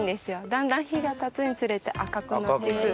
だんだん日がたつにつれて赤くなってくる。